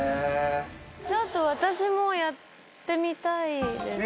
ちょっと私もやってみたいです。